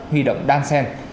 huy động đan sen